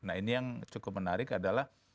nah ini yang cukup menarik adalah